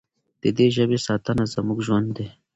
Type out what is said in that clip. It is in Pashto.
د دې ژبې ساتنه زموږ ژوند دی.